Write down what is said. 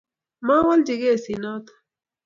mawalchi kesit neton